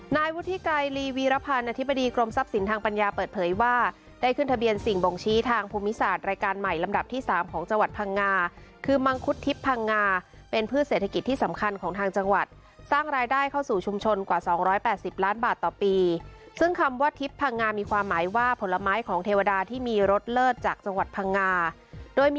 นายวุฒิกายรีวีรพันธ์อธิบดีกรมทรัพย์สินทางปัญญาเปิดเผยว่าได้ขึ้นทะเบียนสิ่งบ่งชี้ทางภูมิศาสตร์รายการใหม่ลำดับที่๓ของจังหวัดพังงาคือมังคุดทิพย์พังงาเป็นพืชเศรษฐกิจที่สำคัญของทางจังหวัดสร้างรายได้เข้าสู่ชุมชนกว่า๒๘๐ล้านบาทต่อปีซึ่งคำว่าทิพย์